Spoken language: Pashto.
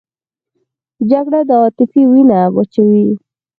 جګړه د عاطفې وینه وچوي